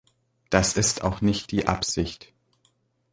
Das ist auch nicht die Absicht.